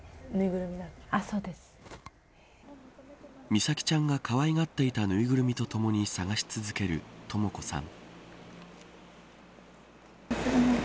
美咲ちゃんがかわいがっていたぬいぐるみとともに捜し続けるとも子さん。